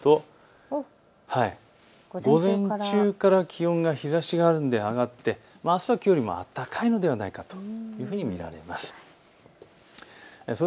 あすはどうかというと午前中から気温が、日ざしがあるので上がってあすはきょうよりもあったかいんではないかというふうに見られます。